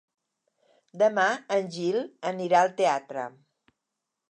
Demà en Gil anirà al teatre.